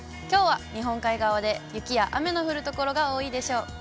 きょうは日本海側で雪や雨の降る所が多いでしょう。